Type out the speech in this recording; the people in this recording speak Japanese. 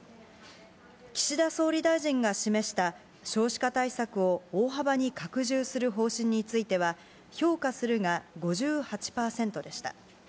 岸田総理大臣が示した少子化対策を大幅に拡充する方針については、評価するが５８％でした。